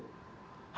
hak dpr hak pemerintah